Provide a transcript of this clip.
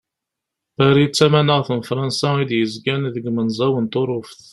Paris d tamanaxt n Frans i d-yezgan deg umenẓaw n Turuft.